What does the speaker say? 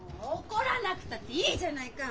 怒らなくたっていいじゃないか！